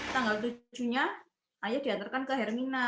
tanggal tujuh nya ayah diantarkan ke hermina